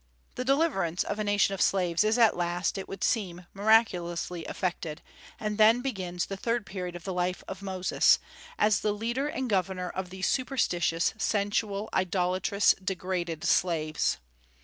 The deliverance of a nation of slaves is at last, it would seem, miraculously effected; and then begins the third period of the life of Moses, as the leader and governor of these superstitious, sensual, idolatrous, degraded slaves.